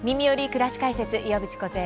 くらし解説」岩渕梢です。